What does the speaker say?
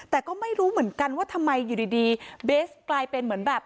แต่ก็ไม่รู้เหมือนกันว่าทำไมอยู่ดีเบสกลายเป็นเหมือนแบบ